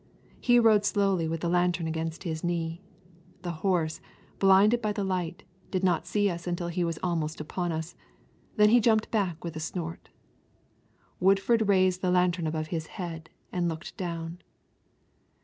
He rode slowly with the lantern against his knee. The horse, blinded by the light, did not see us until he was almost upon us. Then he jumped back with a snort. Woodford raised the lantern above his head and looked down.